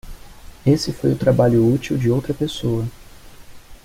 Esse foi o trabalho útil de outra pessoa.